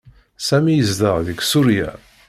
Sami yezdeɣ deg Surya.